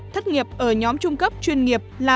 thất nghiệp ở nhóm trung cấp chuyên nghiệp là bốn hai mươi hai